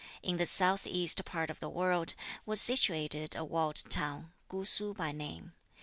In this South East part of the world, was situated a walled town, Ku Su by name.